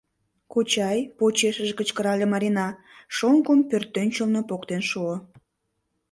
— Кочай! — почешыже кычкырале Марина, шоҥгым пӧртӧнчылнӧ поктен шуо.